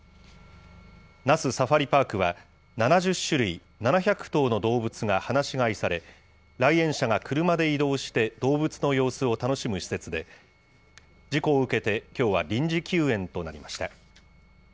那須サファリパークは、７０種類、７００頭の動物が放し飼いされ、来園者が車で移動して動物の様子を楽しむ施設で、事故を受けて、きょうは臨時休園となりました。